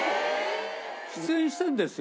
出演してるんですよ。